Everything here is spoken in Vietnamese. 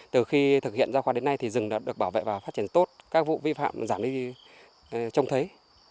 từ khi thực hiện ra khoa đến nay thì rừng đã được bảo vệ và phát triển tốt các vụ vi phạm giảm đi trông thấy